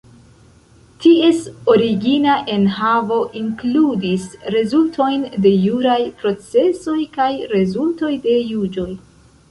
Ties origina enhavo inkludis rezultojn de juraj procesoj kaj rezultoj de juĝoj.